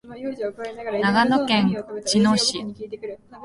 長野県茅野市